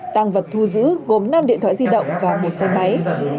tăng vật thu giữ gồm năm điện thoại di động và một xe máy